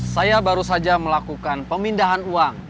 saya baru saja melakukan pemindahan uang